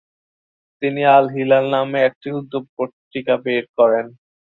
তিনি ‘আল-হিলাল’ নামে একটি উর্দু পত্রিকা বের করেন।